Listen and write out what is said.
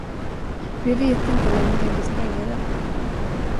Vi vet inte när hon tänker spränga den.